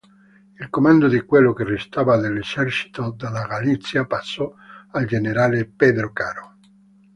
Il comando di quello che restava dell'esercito della Galizia passò al generale Pedro Caro.